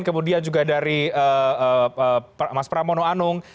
kemudian juga dari mas pramono anung